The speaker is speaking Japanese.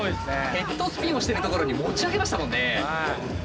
ヘッドスピンをしてるところに持ち上げましたもんね。